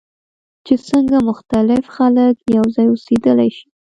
چې څنګه مختلف خلک یوځای اوسیدلی شي.